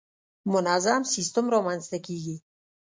منظم سیستم رامنځته کېږي.